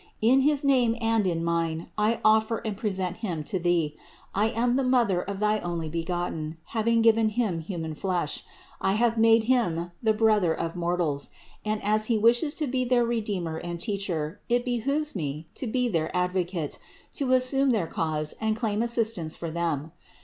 In his name and in mine I offer and present Him to Thee. I am the Mother of thy Only begotten, having given Him human flesh, I have made Him the Brother of mortals, and as He wishes to be their Redeemer and Teacher, it behooves me to be their ad vocate, to assume their cause and claim assistance for them.